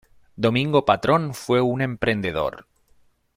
Domingo Patrón fue un emprendedor.